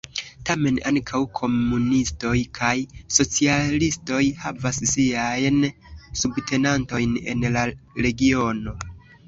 Tamen ankaŭ komunistoj kaj socialistoj havas siajn subtenantojn en la regiono.